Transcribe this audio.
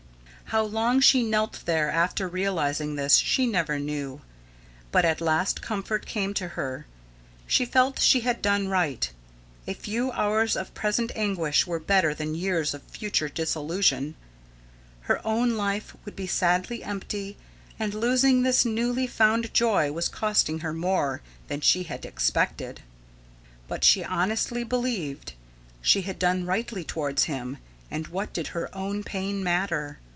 How long she knelt there after realising this, she never knew. But at last comfort came to her. She felt she had done right. A few hours of present anguish were better than years of future disillusion. Her own life would be sadly empty, and losing this newly found joy was costing her more than she had expected; but she honestly believed "she had done rightly towards him, and what did her own pain matter?"